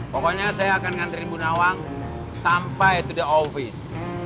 pokoknya saya akan ngantriin ibu nawang sampai ke pejabat